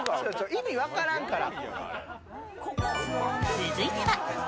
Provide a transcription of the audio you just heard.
意味分からんから。